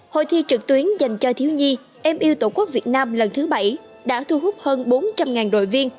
hội thi trực tuyến dành cho thiếu nhi em yêu tổ quốc việt nam lần thứ bảy đã thu hút hơn bốn trăm linh đội viên